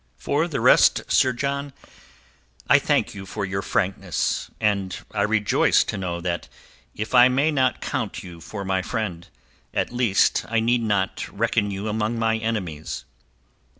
For the rest, Sir John, I thank you for your frankness, and I rejoice to know that if I may not count you for my friend, at least I need not reckon you among my enemies."